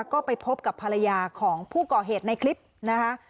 ก็ไปพบกับภรรยาของผู้ก่อเหตุในคลิปนะคะ